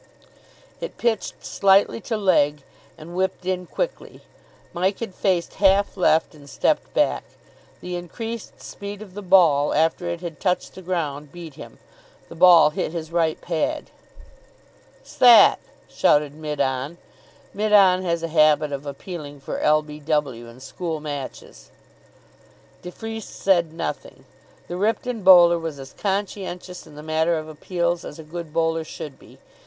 It pitched slightly to leg, and whipped in quickly. Mike had faced half left, and stepped back. The increased speed of the ball after it had touched the ground beat him. The ball hit his right pad. "'S that?" shouted mid on. Mid on has a habit of appealing for l. b. w. in school matches. De Freece said nothing. The Ripton bowler was as conscientious in the matter of appeals as a good bowler should be.